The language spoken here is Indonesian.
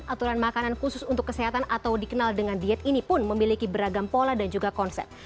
aturan makanan khusus untuk kesehatan atau dikenal dengan diet ini pun memiliki beragam pola dan juga konsep